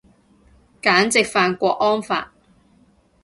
簡直犯郭安發